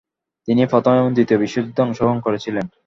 তিনি প্রথম এবং দ্বিতীয় বিশ্বযুদ্ধে অংশগ্রহণ করেছিলেন।